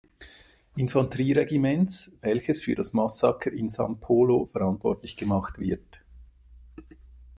Infanterie-Regiments, welches für das Massaker in San Polo verantwortlich gemacht wird.